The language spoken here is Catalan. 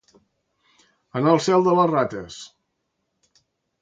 Anar al cel de les rates.